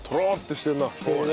してるね。